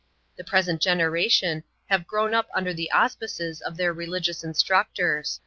The present generation have grown up under the auspices of their religious instructors.